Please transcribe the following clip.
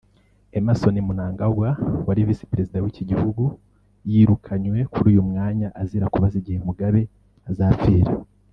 Emmerson Mnangagwa wari Visi Perezida w’ iki gihugu yirukanywe kuri uyu mwanya azira kubaza igihe Mugabe azapfira